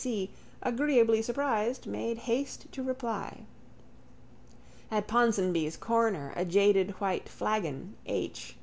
D. C., agreeably surprised, made haste to reply. At Ponsonby's corner a jaded white flagon H.